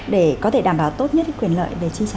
để có thể đảm bảo tốt nhất quyền lợi để chi trả